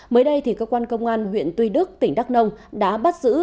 mới đây cơ quan công an huyện tuy đức tỉnh đắk lông đã bắt giữ